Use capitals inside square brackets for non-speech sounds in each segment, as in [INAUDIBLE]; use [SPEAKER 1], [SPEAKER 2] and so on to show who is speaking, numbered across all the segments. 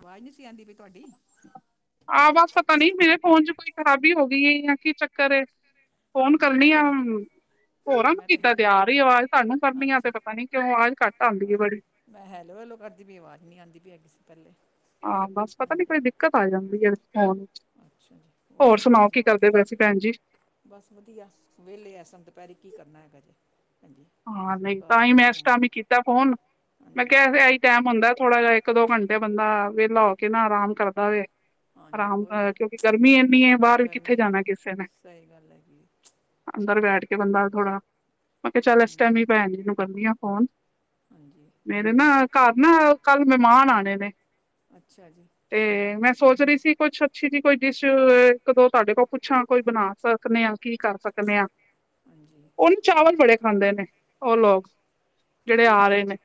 [SPEAKER 1] ਆਵਾਜ਼ ਨੀਂ ਸੀ ਆਂਦੀ ਪਈ ਤੁਹਾਡੀ
[SPEAKER 2] ਆਹ ਬਸ ਪਤਾ ਨੀ ਮੇਰੇ ਫੋਨ ਚ ਕੋਈ ਖਰਾਬੀ ਹੋ ਗਈ ਹੈ, ਜਾਂ ਕੀ ਚੱਕਰ ਏ। ਫੋਨ
[SPEAKER 1] ਹਾਂਜੀ ਮੈਂ
[SPEAKER 2] ਕਰਨੀ
[SPEAKER 1] ਤਾਂ
[SPEAKER 2] ਆ ਮ ਹੋਰਾਂ
[SPEAKER 1] ਹਾਂਜੀ
[SPEAKER 2] ਨੂੰ
[SPEAKER 1] ਮੈਂ ਤਾਂ
[SPEAKER 2] ਕਿਦਾਂ
[SPEAKER 1] ਹੈਲ
[SPEAKER 2] ਤੇ ਆ ਰਹੀ ਆਵਾਜ਼ ਤੁਹਾਨੂੰ ਕਰਨੀ ਆ
[SPEAKER 1] ਅੱਛਾ
[SPEAKER 2] ਤੇ ਪਤਾ ਨੀ ਕਿਉਂ ਆਵਾਜ਼ ਘੱਟ ਆਂਦੀ ਐ ਬੜੀ।
[SPEAKER 1] ਹਾਂਜੀ ਮੈਂ ਹੈਲੋ-ਹੈਲੋ ਕਰਦੀ ਪਈ ਆਵਾਜ਼ ਨੀ ਆਉਂਦੀ ਪਈ ਹੈ, ਕਿਸੇ ਪਹਿਲੇ
[SPEAKER 2] ਹਾਂ, ਬਸ ਪਤਾ ਨੀ
[SPEAKER 1] ਹਾਂਜੀ
[SPEAKER 2] ਕੋਈ ਦਿੱਕਤ ਜਾਂਦੀ ਹੈ।
[SPEAKER 1] ਅੱਛਾ ਜੀ
[SPEAKER 2] [INAUDIBLE] ਹੋਰ ਸੁਣਾਓ ਕੀ ਕਰਦੇ ਪਏ ਸੀ, ਭੈਣ ਜੀ।
[SPEAKER 1] ਬੱਸ ਵਧੀਆ ਵਿਹਲੇ ਐਸਨ ਦੁਪਹਿਰੀ ਕੀ ਕਰਨਾ ਹੈਗਾ ਜੇ
[SPEAKER 2] ਹਾਂ, ਨਹੀਂ ਤਾਂ ਹੀ ਮੈਂ ਇਸ
[SPEAKER 1] ਹਾਂ
[SPEAKER 2] ਟਾਈਮ ਹੀ ਕੀਤਾ ਫੋਨ ' [UNINTELLIGIBLE] ' ਮੈਂ
[SPEAKER 1] ਹਾਂਜੀ
[SPEAKER 2] ਕਿਹਾ ਟਾਈਮ ਹੁੰਦਾ ਥੋੜਾ ਜਿਹਾ ਇੱਕ-ਦੋ ਘੰਟੇ ਬੰਦਾ ਵੇਹਲਾ ਕੇ ਨਾ ਆਰਾਮ ਕਰਦਾ ਵੇ।
[SPEAKER 1] ਹਾਂਜੀ
[SPEAKER 2] ਆਰਾਮ
[SPEAKER 1] ਉਹੀ ਨਾ
[SPEAKER 2] ਕਿਉਂਕਿ ਗਰਮੀ ਇੰਨੀ ਹੈ ਬਾਹਰ ਵੀ ਕਿੱਥੇ
[SPEAKER 1] ਗਰਮੀ ਇੰਨੀ
[SPEAKER 2] ਜਾਣਾ ਕਿਸੇ ਨੇ।
[SPEAKER 1] ਸਹੀ ਗੱਲ ਹੈਗੀ ਏ' ' [UNINTELLIGIBLE]
[SPEAKER 2] ਅੰਦਰ ਬੈਠ ਕੇ ਬੰਦਾ ਥੋੜਾ ਤੇ ਚੱਲ ਇਸ
[SPEAKER 1] ਹਾਂਜੀ
[SPEAKER 2] ਟਾਈਮ ਵੀ ਭੈਣ ਜੀ ਨੂੰ ਕਰਦੀ ਆ ਫੋਨ
[SPEAKER 1] ਹਾਂਜੀ
[SPEAKER 2] [INAUDIBLE] ਮੇਰੇ ਨਾ
[SPEAKER 1] ਹੋਰ
[SPEAKER 2] ਘਰ ਨਾ ਕੱਲ ਮਹਿਮਾਨ ਆਣੇ ਨੇ ' [INAUDIBLE]
[SPEAKER 1] ਅੱਛਾ ਜੀ
[SPEAKER 2] ' 'ਤੇ
[SPEAKER 1] ਹਾਂਜੀ
[SPEAKER 2] ਮੈਂ ਸੋਚ ਰਹੀ ਸੀ। ਕੁਛ ਅੱਛੀ ਜੀ ਕੋਈ ਡਿਸ਼ ਇੱਕ ਦੋ ਤੁਹਾਡੇ ਕੋਲ ਪੁੱਛਾਂ ਬਣਾ ਸਕਦੇ ਆ ਕੀ ਕਰ ਸਕਦੇ ਦੇ ਆ ' [INAUDIBLE]
[SPEAKER 1] ਹਾਂਜੀ
[SPEAKER 2] ' ਉਹਨੂੰ ਚਾਵਲ ਬੜੇ ਖਾਂਦੇ ਨੇ ' [INAUDIBLE] ' ਉਹ ਲੋਕ' ' [INAUDIBLE] ਜਿਹੜੇ
[SPEAKER 1] ਕੀ
[SPEAKER 2] ਆ
[SPEAKER 1] ਕਹਿੰਦੇ
[SPEAKER 2] ਰਹੇ ਨੇ।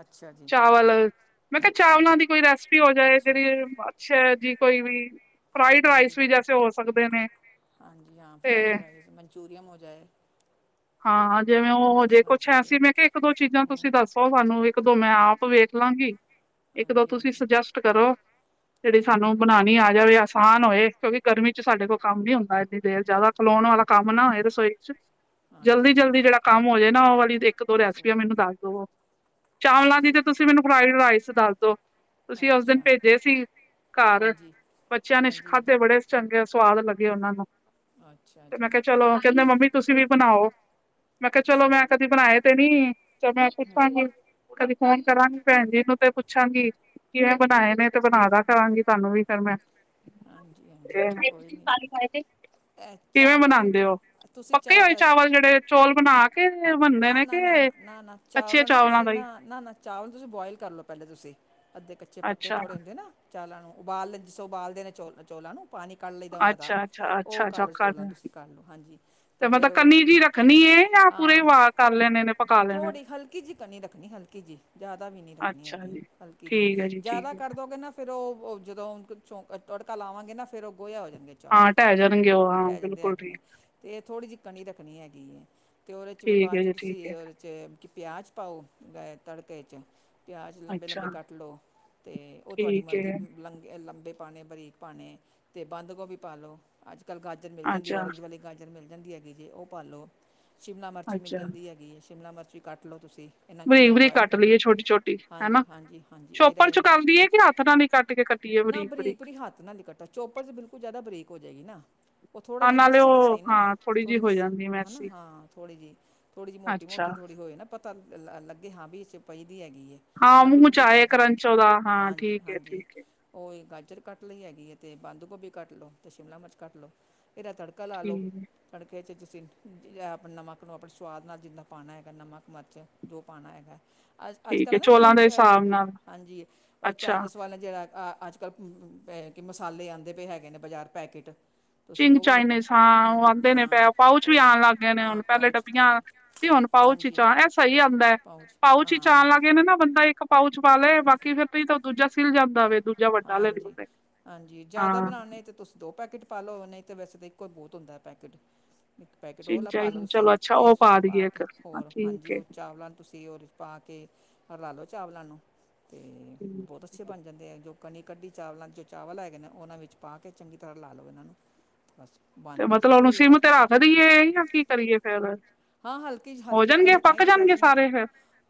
[SPEAKER 1] ਅੱਛਾ ਜੀ।
[SPEAKER 2] ਚਾਵਲ ' [INAUDIBLE] ' ਮੈਂ ਕਿਹਾ
[SPEAKER 1] ਅੱਛਾ
[SPEAKER 2] ਚਾਵਲਾਂ ਦੀ ਕੋਈ ਰੈਸਪੀ ਹੋ ਜਾਏ
[SPEAKER 1] ਅੱਛਾ
[SPEAKER 2] ਜਿਹੜੀ ਅੱਛੇ ਜੀ, ਕੋਈ ਵੀ ਫਰਾਈਡ
[SPEAKER 1] ਹਾਂਜੀ
[SPEAKER 2] ਰਾਈਸ ਵੀ ਜੈਸੇ ਹੋ ਸਕਦੇ ਨੇ
[SPEAKER 1] ਹਾਂਜੀ ਹਾਂ,
[SPEAKER 2] ਤੇ
[SPEAKER 1] ਫਰਾਈਡ ਰਾਈਸ ਮਨਚੂਰੀਅਨ ਹੋ ਜਾਏ
[SPEAKER 2] ਹਾਂ।
[SPEAKER 1] ਹਾਂਜੀ
[SPEAKER 2] ਜਿਵੇਂ
[SPEAKER 1] ਵੀ
[SPEAKER 2] ਉਹ ਹਜੇ,
[SPEAKER 1] ਤੁਸੀਂ ਬਣਾ
[SPEAKER 2] ਕੁਛ
[SPEAKER 1] ਸਕਦੇ
[SPEAKER 2] ਐਸੀ
[SPEAKER 1] ਹੋ
[SPEAKER 2] ਮੈਂ ਕਿਹਾ ਇੱਕ ਦੋ ਚੀਜ਼ਾਂ ਤੁਸੀਂ ਦੱਸੋ ਸਾਨੂੰ ਇੱਕ, ਦੋ ਮੈਂ ਆਪ ਵੇਖ ਲਾਂਗੀ ਇੱਕ, ਦੋ
[SPEAKER 1] ਹਾਂਜੀ
[SPEAKER 2] ਤੁਸੀਂ ਸੁਜੈਸਟ ਕਰੋ। ' [INAUDIBLE] ' ਜਿਹੜੀ ਸਾਨੂੰ
[SPEAKER 1] ਹਾਂਜੀ
[SPEAKER 2] ਬਣਾਣੀ ਆ ਜਾਵੇ। ਆਸਾਨ ਇਹ ਨਾ ਹੋਏ ਕਿਉਂਕਿ ਗਰਮੀ 'ਚ' ਸਾਡੇ ਕੋਲ ਕੰਮ ਨੀ ਹੁੰਦਾ ਐੰਨੀ ਦੇਰ ਜ਼ਿਆਦਾ ਖਲੋਣ ਵਾਲਾ ਕੰਮ ਨਾ ਹੋਏ ਰਸੋਈ 'ਚ' ' [INAUDIBLE] '
[SPEAKER 1] ਹਾਂਜੀ ਹਾਂਜੀ
[SPEAKER 2] ਜਲਦੀ-ਜਲਦੀ ਜਿਹੜਾ ਕੰਮ ਹੋ ਜਾਏ ਨਾ ਉਹ ਵਾਲੀ ਇੱਕ, ਦੋ
[SPEAKER 1] ਉਸ
[SPEAKER 2] ਰੈਸਪੀਆਂ ਮੈਨੂੰ ਦੱਸ ਦਵੋ। ਚਾਵਲਾਂ ਦੀ
[SPEAKER 1] ਹਾਂਜੀ
[SPEAKER 2] ਤੇ ਤੁਸੀਂ ਮੈਨੂੰ 'ਫਰਾਈਡ ਰਾਈਸ' ਦੱਸਦੋ। ' [INAUDIBLE] ' ਤੁਸੀਂ ਉਸ ਦਿਨ
[SPEAKER 1] ਅੱਛਾ
[SPEAKER 2] ਭੇਜੇ ਸੀ ਘਰ '
[SPEAKER 1] ਹਾਂਜੀ
[SPEAKER 2] [INAUDIBLE] ' ਬੱਚਿਆਂ ਨੇ
[SPEAKER 1] ਹਾਂਜੀ ਹਾਂਜੀ
[SPEAKER 2] ਖਾਂਦੇ ਬੜੇ ਚੰਗੇ ਆ ਸਵਾਦ ਲੱਗੇ ਉਹਨਾਂ ਨੂੰ
[SPEAKER 1] ਅੱਛਾ
[SPEAKER 2] 'ਤੇ
[SPEAKER 1] ਜੀ
[SPEAKER 2] ਮੈਂ ਕਿਹਾ ਚਲੋ, ਕਹਿੰਦੇ ਮੰਮੀ ਤੁਸੀਂ ਵੀ ਬਣਾਓ ਮੈਂ ਕਿਹਾ ਚਲੋ
[SPEAKER 1] ਅੱਛਾ ਜੀ
[SPEAKER 2] ਮੈਂ ਕਦੀ ਬਣਾਏ ਤੇ ਨੀ 'ਚ' ਮੈਂ
[SPEAKER 1] ਹੂੰ
[SPEAKER 2] ਕਦੀ ਫੋਨ ਕਰਾਂਗੀ ਭੈਣ ਜੀ ਨੂੰ ਤੇ ਪੁੱਛਾਂਗੀ ਕਿਵੇਂ
[SPEAKER 1] ਹਾਂਜੀ
[SPEAKER 2] ਬਣਾਏ ਨੇ 'ਤੇ ਬਣਾ ਦਾ ਕਰਾਂਗੀ ਤੁਹਾਨੂੰ ਵੀ ਫਿਰ ਮੈਂ ' [INAUDIBLE]
[SPEAKER 1] ਹਾਂਜੀ
[SPEAKER 2] ' '
[SPEAKER 1] ਹਾਂਜੀ
[SPEAKER 2] [UNINTELLIGIBLE]
[SPEAKER 1] ਕੋਈ ਨਹੀਂ ਇਹ
[SPEAKER 2] ' ਕਿਵੇਂ
[SPEAKER 1] ਚਾਵਲਾਂ ਨੂੰ
[SPEAKER 2] ਬਣਾਉਂਦੇ
[SPEAKER 1] ਤੁ-
[SPEAKER 2] ਹੋ?
[SPEAKER 1] ਤੁਸੀਂ
[SPEAKER 2] ਪੱਕੇ ਹੋਏ
[SPEAKER 1] ਚਾ
[SPEAKER 2] ਚਾਵਲ ਜਿਹੜੇ ਚੋਲ ਭੁਣਾ ਕੇ ਬਨਦੇ
[SPEAKER 1] ਨਾ
[SPEAKER 2] ਨੇ
[SPEAKER 1] ਨਾ
[SPEAKER 2] ਕੇ ' [INAUDIBLE] ' ਕੱਚੇ ਚਾਵਲਾਂ ਦਾ ਹੀ
[SPEAKER 1] ਨਾ-ਨਾ, ਨਾ ਚਾਵਲ ਤੁਸੀਂ ਬੋਆਇਲ ਕਰ ਲਓ ਪਹਿਲੇ ਤੁਸੀਂ ਅੱਧੇ ਕੱਚੇ-ਪੱਕੇ
[SPEAKER 2] ਅੱਛਾ,
[SPEAKER 1] ਥੋੜ੍ਹੇ ਹੁੰਦੇ ਨਾ ਚਾਲਾਂ ਨੂੰ ਉਬਾਲ ਲੇ ਜਿਸੋ ਉਬਾਲਦੇ ਨੇ ਚੌਲ-ਚੌਲਾਂ ਨੂੰ ਪਾਣੀ ਕੱਢ ਲਈਦਾ ਉਹਨਾਂ ਦਾ,
[SPEAKER 2] ਅੱਛਾ, ਅੱਛਾ,
[SPEAKER 1] ਉਹ
[SPEAKER 2] ਅੱਛਾ, ਅੱਛਾ
[SPEAKER 1] ਕਾਲ
[SPEAKER 2] ਕਰ
[SPEAKER 1] ਚੋਲਾਂ ਤੁਸੀਂ ਕੱਢ ਲਓ। ਹਾਂਜੀ ਅਤੇ
[SPEAKER 2] ਤੇ
[SPEAKER 1] ਫਿਰ
[SPEAKER 2] ਮਤਲਬ ਕਨੀ ਜੀ ਰੱਖਣੀ ਹੈ ਜਾਂ ਪੂਰੇ
[SPEAKER 1] ਹਾਂ,
[SPEAKER 2] ਵਾ ਕਰ ਲੈਣੇ ਨੇ ਪਕਾ ਲੈਣੇ ਨੇ?
[SPEAKER 1] ਥੋੜ੍ਹੀ ਹਲਕੀ ਜਿਹੀ ਕਨੀ ਰੱਖਣੀ ਹਲਕੀ ਜੀ ਜ਼ਿਆਦਾ ਵੀ ਨਹੀਂ ਰੱਖਣੀ
[SPEAKER 2] ਅੱਛਾ
[SPEAKER 1] ਹੈਗੀ,
[SPEAKER 2] ਜੀ,
[SPEAKER 1] ਹਲਕੀ ਜੀ,
[SPEAKER 2] ਠੀਕ ਹੈ ਠੀਕ
[SPEAKER 1] ਜ਼ਿਆਦਾ
[SPEAKER 2] ਹੈ।
[SPEAKER 1] ਕਰ ਦੋਗੇ ਨਾ ਫਿਰ ਉਹ ਜਦੋਂ ਤੜਕਾ ਲਾਵਾਂਗੇ ਨਾ ਫਿਰ ਉਹ ਗੋਇਆ ਹੋ ਜਾਣਗੇ। ਚਾਵਲ
[SPEAKER 2] ਹਾਂ
[SPEAKER 1] ਫਿਰ
[SPEAKER 2] ਢਹਿ ਜਾਣਗੇ ਉਹ ਹਾਂ
[SPEAKER 1] ਟਹਿ ਜਾਂਦੇ
[SPEAKER 2] ਬਿਲਕੁਲ
[SPEAKER 1] ਹੈਗੇ
[SPEAKER 2] ਠੀਕ,
[SPEAKER 1] ਨੇ, ਅਤੇ ਥੋੜ੍ਹੀ ਜਿਹੀ ਕਨੀ ਰੱਖਣੀ ਹੈਗੀ ਐ 'ਤੇ ਉਹਦੇ 'ਚ'
[SPEAKER 2] ਠੀਕ ਹੈ
[SPEAKER 1] ਬਾਅਦ
[SPEAKER 2] ਜੀ, ਠੀਕ ਹੈ,
[SPEAKER 1] ਤੁਸੀਂ ਉਹਦੇ 'ਚ' ਪਿਆਜ਼ ਪਾਓ। ਗ ਤੜਕੇ 'ਚ ਪਿਆਜ਼ ਲੰਬੇ-ਲੰਬੇ
[SPEAKER 2] ਅੱਛਾ
[SPEAKER 1] ਕੱਟ ਲਉ 'ਤੇ ਉਹ ਤੁਹਾਡੀ
[SPEAKER 2] ਠੀਕ
[SPEAKER 1] ਮਰਜ਼ੀ
[SPEAKER 2] ਹੈ।
[SPEAKER 1] ਲੰਗੇੇ ਲੰਬੇ ਪਾਣੇ ਬਰੀਕ ਪਾਣੇ 'ਤੇ ਬੰਦ ਗੋਭੀ ਪਾਲੋ ਅੱਜ-ਕੱਲ ਗਾਜਰ ਮਿਲ ਜਾਂਦੀ,
[SPEAKER 2] ਅੱਛਾ,
[SPEAKER 1] ਔਰੰਜ ਵਾਲੇ ਗਾਜਰ ਮਿਲ ਜਾਂਦੀ ਹੈਗੀ ਜੇ ਉਹ ਪਾ ਲਉ, ਸ਼ਿਮਲਾ ਮਿਰਚੀ ਮਿਲ
[SPEAKER 2] ਅੱਛਾ
[SPEAKER 1] ਜਾਂਦੀ ਹੈਗੀ ਸ਼ਿਮਲਾ ਮਿਰਚੀ ਕੱਟ ਲਉ ਤੁਸੀਂ। ਇਹਨਾਂ ਚੀਜ਼ਾਂ ਨੂੰ
[SPEAKER 2] ਬਰੀਕ-ਬਰੀਕ
[SPEAKER 1] ਬੋਇਲ
[SPEAKER 2] ਕੱਟ
[SPEAKER 1] ਕਰ ਲਓ
[SPEAKER 2] ਲਈਏ ਛੋਟੀ-ਛੋਟੀ ਹੈਨਾ,
[SPEAKER 1] ਹਾਂਜੀ ਹਾਂਜੀ ਹਾਂਜੀ
[SPEAKER 2] ਚੋਪਰ
[SPEAKER 1] ਇਹਦਾ
[SPEAKER 2] 'ਚ' ਕਰ ਲਈਏ ਕਿ ਹੱਥ ਨਾਲ ਹੀ ਕੱਟ ਕੇ ਟੀਏ
[SPEAKER 1] ਨਾ
[SPEAKER 2] ਬਰੀ
[SPEAKER 1] ਬਰੀਕ ਪਰੀ ਹੱਥ ਨਾਲ ਨਾਲ ਕੱਟੋ ਚੋਪਰ 'ਚ' ਬਿਲਕੁਲ ਜ਼ਿਆਦਾ ਬਰੀਕ ਹੋ ਜਾਏਗੀ ਨਾ। ਉਹ ਥੋੜਾ
[SPEAKER 2] ਹਾਂ
[SPEAKER 1] ਜਿਹਾ
[SPEAKER 2] ਨਾਲੇ
[SPEAKER 1] ਦਿੱਸੇ ਤਾਂ
[SPEAKER 2] ਉਹ
[SPEAKER 1] ਸਹੀ ਨਾ
[SPEAKER 2] ਹਾਂ ਥੋੜ੍ਹੀ ਜਿਹੀ
[SPEAKER 1] ਥੋੜੀ
[SPEAKER 2] ਹੋ
[SPEAKER 1] ਦਿਸ
[SPEAKER 2] ਜਾਂਦੀ
[SPEAKER 1] ਹੈ ਨਾ
[SPEAKER 2] ਮੈਸੀ
[SPEAKER 1] ਹਾਂ, ਥੋੜੀ ਜਿਹੀ ਥੋੜ੍ਹੀ ਜਿਹੀ ਮੋਟੀ-ਮੋਟੀ
[SPEAKER 2] ਅੱਛਾ।
[SPEAKER 1] ਥੋੜ੍ਹੀ ਹੋਏ ਨਾ ਪਤਾ ਲ ਲੱਗੇ ਹਾਂ ਵੀ ਇਹ 'ਚ' ਪਈ ਦੀ ਹੈਗੀ ਏ।
[SPEAKER 2] ਹਾਂ ਮੂੰਹ 'ਚ' ਆਏ ਕਰੰਚੌ ਉਦਾ ਹਾਂ
[SPEAKER 1] ਹਾਂਜੀ
[SPEAKER 2] ਠੀਕ ਐ,
[SPEAKER 1] ਹਾਂਜੀ
[SPEAKER 2] ਠੀਕ ਐ।
[SPEAKER 1] ਉਹ ਗਾਜਰ ਕੱਟ ਲਈ ਹੈਗੀ ਹੈ, ਅਤੇ ਬੰਦ ਗੋਭੀ ਕੱਟ ਲਓ ਅਤੇ ਸ਼ਿਮਲਾ ਮਿਰਚ ਕੱਟ ਲਉ ਇਹਦਾ ਤੜਕਾ ਤੜਕਾ ਲਾ ਲੋ
[SPEAKER 2] ਠੀਕ
[SPEAKER 1] ਤੜਕੇ 'ਚ ਤੁਸੀਂ ਨਮਕ ਨੂੰ ਆਪਣੇ ਸਵਾਦ ਨਾਲ ਜਿੰਨਾ ਪਾਣਾ ਹੈਗਾ ਨਮਕ ਮਰਚ ਜੋ ਪਾਣਾ ਹੈਗਾ ਅੱਜ,
[SPEAKER 2] ਠੀਕ
[SPEAKER 1] ਅੱਜ-ਕੱਲ੍ਹ ਹੈ ਨਾ
[SPEAKER 2] ਚੋਲਾਂ
[SPEAKER 1] ਚੀਨ
[SPEAKER 2] ਦੇ
[SPEAKER 1] ਚੈ
[SPEAKER 2] ਹਿਸਾਬ ਨਾਲ
[SPEAKER 1] ਹਾਂਜੀ ਉਹ
[SPEAKER 2] ਅੱਛਾ
[SPEAKER 1] ਚਾਈਨਜ਼ ਵਾਲਾ ਜਿਹੜਾ ਅੱਜ-ਕੱਲ੍ਹ ਕਿ ਮਸਾਲੇ ਆਉਂਦੇ ਪਏ ਹੈਗੇ ਨੇ ਬਜ਼ਾਰ ਪੈਕੇਟ ਤੁਸੀਂ
[SPEAKER 2] ਚਿੰਗ
[SPEAKER 1] ਉਹ ਵਾਲੇ ਪਾ
[SPEAKER 2] ਚਾਈਨੀਸਾਂ ਉਹ
[SPEAKER 1] ਹਾਂਜੀ
[SPEAKER 2] ਆਂਦੇ ਨੇ
[SPEAKER 1] ਹਾਂ
[SPEAKER 2] ਪਏ ਪਾਊਚ ਵੀ
[SPEAKER 1] ਉਹ ਲਾ
[SPEAKER 2] ਆਉਣ ਲੱਗ ਗਏ ਨੇ
[SPEAKER 1] ਹਾਂ
[SPEAKER 2] ਹੁਣ ਪਹਿਲੇ
[SPEAKER 1] ਪਾਊਚ
[SPEAKER 2] ਡੱਬੀਆਂ
[SPEAKER 1] ਹਾਂਜੀ
[SPEAKER 2] ਸੀ ਹੁਣ ਪਾਓਚ ਚ'
[SPEAKER 1] ਹਾਂਜੀ
[SPEAKER 2] ਇਹ ਸਹੀ ਆਦਾ ਐ,
[SPEAKER 1] ਪਾਊਚ
[SPEAKER 2] ਪਾਉਚ 'ਚ
[SPEAKER 1] ਹਾਂ
[SPEAKER 2] ਆਣ ਲੱਗ ਗੇ ਨੇ ਨਾ ਬੰਦਾ ਇੱਕ ਪਾਊਚ ਪਾ ਲੈ ਬਾਕੀ ਫਿਰ ਤੁਸੀ ਤਾਂ ਦੂਜਾ ਸਿਲ ਜਾਂਦਾ ਵੇ ਦੂਜਾ ਵੱਡਾ ਲੈ ਲਓ
[SPEAKER 1] ਹਾਂਜੀ-
[SPEAKER 2] ਤੇ
[SPEAKER 1] ਹਾਂਜੀ ਜਿਆਦਾ
[SPEAKER 2] ਹਾਂ
[SPEAKER 1] ਬਣਾਉਣੇ 'ਤੇ ਤੁਸੀਂ ਦੋ ਪੈਕੇਟ ਪਾ ਲੋ ਨਹੀਂ ਤਾਂ ਵੈਸੇ ਤਾਂ ਇੱਕੋ ਹੀ ਬਹੁਤ ਹੁੰਦਾ ਪੈਕੇਟ ਇੱਕ ਪੈਕੇਟ
[SPEAKER 2] ਚਿੰਗ
[SPEAKER 1] ਉਹਲਾ ਪਾ ਲਓ
[SPEAKER 2] ਚਾਈਨੀਜ਼
[SPEAKER 1] ਤੁਸੀਂ
[SPEAKER 2] ਚਲੋ ਅੱਛਾ
[SPEAKER 1] 'ਤੇ
[SPEAKER 2] ਉਹ
[SPEAKER 1] ਪਾ
[SPEAKER 2] ਦੇਈਏ
[SPEAKER 1] ਕੇ
[SPEAKER 2] ਇੱਕ ਹਾਂ
[SPEAKER 1] ਹੋਰ ਹਾਂਜੀ
[SPEAKER 2] ਠੀਕ ਹੈ
[SPEAKER 1] ਉਹ ਚਾਵਲਾਂ ਤੁਸੀਂ ਹੋਰ ਪਾ ਕੇ ਰਲਾ ਲਓ ਚਾਵਲਾਂ ਨੂੰ ਅਤੇ ਬਹੁਤ ਅੱਛੇ
[SPEAKER 2] ਠੀਕ
[SPEAKER 1] ਬਣ ਜਾਂਦੇ ਆ ਜੋ ਕਨੀ ਕੱਢੀ ਚਾਵਲਾਂ ਜੋ ਚਾਵਲ ਹੈਗੇ ਨੇ ਉਹਨਾਂ ਵਿੱਚ ਪਾ ਕੇ ਚੰਗੀ ਤਰ੍ਹਾਂ ਲਾ ਲਉ ਇਹਨਾਂ ਨੂੰ ਬਸ। ਬਣ
[SPEAKER 2] 'ਤੇ
[SPEAKER 1] ਗਏ ਜੇ
[SPEAKER 2] ਮਤਲਬ ਉਹਨੂੰ
[SPEAKER 1] ਕੋਈ
[SPEAKER 2] ਸਿਮ 'ਤੇ ਰੱਖ ਦੀਈਏ ਜਾਂ ਕੀ ਕਰੀਏ ਫੇਰ
[SPEAKER 1] ਹਾਂ, ਹਲਕੀ 'ਚ
[SPEAKER 2] ਹੋ
[SPEAKER 1] ਹਲਕੀ ਚ
[SPEAKER 2] ਜਾਣਗੇ
[SPEAKER 1] ਕੀ ਤਾਂਹੀ
[SPEAKER 2] ਪੱਕ
[SPEAKER 1] ਤੇ ਕਿਹਾ
[SPEAKER 2] ਜਾਣਗੇ
[SPEAKER 1] ਸੀ ਨਾ
[SPEAKER 2] ਸਾਰੇ
[SPEAKER 1] ਮੈਂ
[SPEAKER 2] ਫੇਰ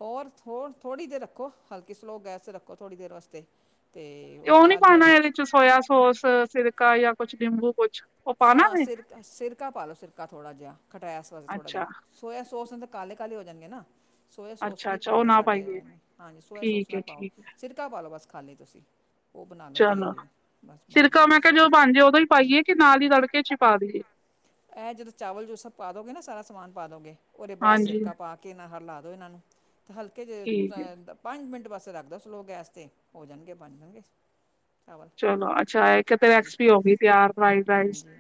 [SPEAKER 1] ਹੋਰ-ਹੋਰ ਥੋ ਥੋੜ੍ਹੀ ਦੇਰ ਰੱਖੋ ਹਲਕੀ ਸਲੋ ਗੈਸ 'ਤੇ ਰੱਖੋ ਥੋੜ੍ਹੀ ਦੇਰ ਵਾਸਤੇ ਅਤੇ
[SPEAKER 2] 'ਤੇ
[SPEAKER 1] ਉਹਦੇ
[SPEAKER 2] ਉਹ ਨੀ
[SPEAKER 1] ਬਾਅਦ ਜੋ
[SPEAKER 2] ਪਾਉਣਾ ਇਹਦੇ 'ਚ ਸੋਇਆ ਸੋਸ ਸਿਰਕਾ ਜਾਂ ਕੁਛ ਨਿੰਬੂ ਕੁਛ ਉਹ ਪਾਣਾ
[SPEAKER 1] ਹਾਂ,
[SPEAKER 2] ਵੇ?
[SPEAKER 1] ਸਿਰਕਾ-ਸਿਰਕਾ ਪਾ ਲਓ ਸਿਰਕਾ ਥੋੜ੍ਹਾ ਜਿਹਾ ਖਟੈਸ ਵਾਸਤੇ ਥੋੜ੍ਹਾ ਜਿਹਾ
[SPEAKER 2] ਅੱਛਾ,
[SPEAKER 1] ਸੋਇਆ ਸੋਸ ਨਾਲ ਤਾਂ ਕਾਲੇ-ਕਾਲੇ ਹੋ ਜਾਣਗੇ ਨਾ ਸੋਇਆ ਸੋਸ
[SPEAKER 2] ਅੱਛਾ,
[SPEAKER 1] ਨਹੀਂ
[SPEAKER 2] ਅੱਛਾ ਉਹ
[SPEAKER 1] ਪਾਉਂਦੇ
[SPEAKER 2] ਨਾ
[SPEAKER 1] ਸਾਡੇ
[SPEAKER 2] ਪਾਈਏ
[SPEAKER 1] ਹਾਂਜੀ, ਸੋਇਆ ਸੋਸ
[SPEAKER 2] ਠੀਕ
[SPEAKER 1] ਨਾ
[SPEAKER 2] ਐ,
[SPEAKER 1] ਪਾਓ
[SPEAKER 2] ਠੀਕ ਐ
[SPEAKER 1] ਸਿਰਕਾ ਪਾ ਲਉ ਬਸ ਖਾਲੀ ਤੁਸੀਂ। ਉਹ ਬਣਾ ਲਓ
[SPEAKER 2] ਚਲੋ,
[SPEAKER 1] ਅਤੇ ਬਸ ਬਣ
[SPEAKER 2] ਸਿਰਕਾ
[SPEAKER 1] ਜਾਂਦੀ
[SPEAKER 2] ਮੈਂ ਕਿਹਾ
[SPEAKER 1] ਸਵਾਦ
[SPEAKER 2] ਜੋ ਬਣ ਜਾਏ ਉਦੋਂ ਹੀ ਪਾਈਏ
[SPEAKER 1] ਹਾਂਜੀ
[SPEAKER 2] ਕਿ ਨਾਲ ਹੀ ਤੜਕੇ 'ਚ ਹੀ ਪਾ ਦੇਈਏ।
[SPEAKER 1] ਇਹ ਜਦੋਂ ਚਾਵਲ ਜੋ ਸਭ ਪਾ ਦੋਗੇ ਸਾਰਾ ਸਮਾਨ ਪਾ ਉਹਦੇ ਬਾਅਦ
[SPEAKER 2] ਹਾਂਜੀ
[SPEAKER 1] ਸਿਰਕਾ ਪਾ ਕੇ ਹਲਾ ਦਉ ਇਹਨਾਂ ਨੂੰ 'ਤੇ ਹਲਕੇ
[SPEAKER 2] ਠੀਕ ਐ।
[SPEAKER 1] ਪੰਜ ਮਿੰਟ ਵਾਸਤੇ ਰੱਖ ਦਿਓ ਸਲੋ ਗੈਸ 'ਤੇ ਹੋ ਜਾਣਗੇ ਬਣ ਜਾਣਗੇ। ਚਾਵਲ
[SPEAKER 2] ਚਲੋ, ਅੱਛਾ ਏ ਕੇ
[SPEAKER 1] ਹਾਂਜੀ
[SPEAKER 2] [UNINTELLIGIBLE]
[SPEAKER 1] ਹਾਂਜੀ